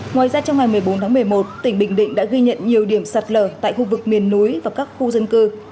ngoài ra trong ngày một mươi bốn tháng một mươi một tỉnh bình định đã ghi nhận nhiều điểm sạt lở tại khu vực miền núi và các khu dân cư